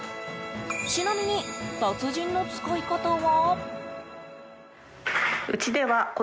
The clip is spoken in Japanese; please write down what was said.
ちなみに達人の使い方は。